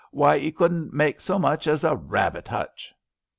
Why 'ee couldn't make so much as a rabbit hutch."